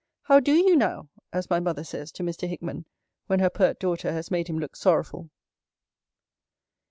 How do you now, as my mother says to Mr. Hickman, when her pert daughter has made him look sorrowful?